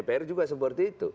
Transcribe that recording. mpr juga seperti itu